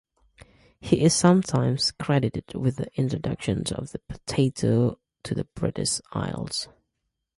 He is sometimes credited with the introduction of the potato to the British Isles.